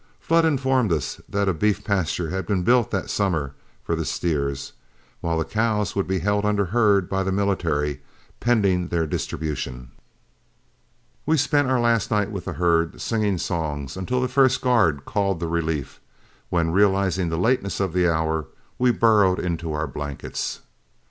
Flood informed us that a beef pasture had been built that summer for the steers, while the cows would be held under herd by the military, pending their distribution. We spent our last night with the herd singing songs, until the first guard called the relief, when realizing the lateness of the hour, we burrowed into our blankets.